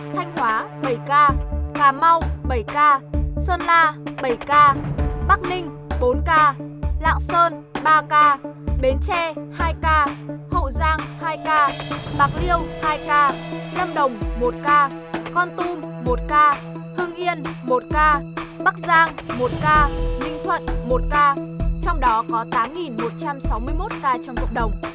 thanh hóa bảy ca cà mau bảy ca sơn la bảy ca bắc ninh bốn ca lạng sơn ba ca bến tre hai ca hậu giang hai ca bạc liêu hai ca lâm đồng một ca con tum một ca hưng yên một ca bắc giang một ca ninh thuận một ca trong đó có tám một trăm sáu mươi một ca trong cộng đồng